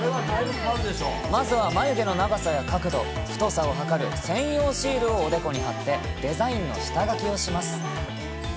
まずは眉毛の長さや角度、太さを測る専用シールをおでこに貼って、デザインの下描きをします。